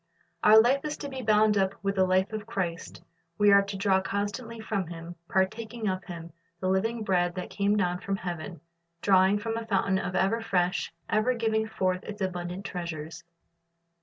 Our life is to be bound up with the life of Christ; we are to draw constantly from Him, partaking of Him, the living bread that came down from heaven, drawing from a fountain ever fresh, ever giving forth its abundant treasures.